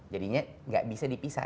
jadinya nggak bisa dipisah